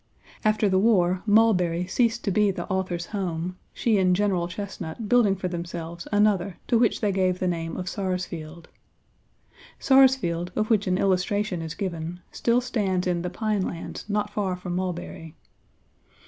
After the war, Mulberry ceased to be the author's home, she and General Chesnut building for themselves another to which they gave the name of Sarsfield. Sarsfield, of which an illustration is given, still stands in the pine lands not far from Mulberry.